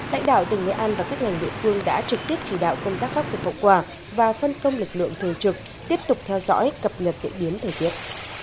lãnh đạo tỉnh nghệ an và các ngành địa phương đã trực tiếp chỉ đạo công tác khắc phục hậu quả và phân công lực lượng thường trực tiếp tục theo dõi cập nhật diễn biến thời tiết